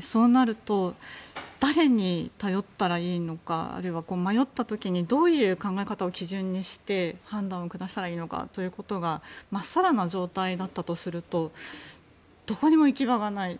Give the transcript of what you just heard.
そうなると誰に頼ったらいいのかあるいは、迷った時にどういう考え方を基準にして判断を下したらいいのかということがまっさらな状態だったとするとどこにも行き場がない。